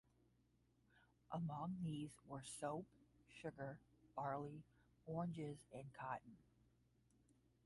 Among these were soap, sugar, barley, oranges, and cotton.